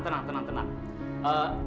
tenang tenang tenang